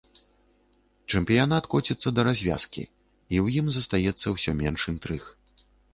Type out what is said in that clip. Чэмпіянат коціцца да развязкі, і ў ім застаецца ўсё менш інтрыг.